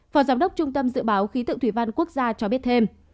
phó giám đốc trung tâm dự báo khí tượng thủy văn quốc gia cho biết thêm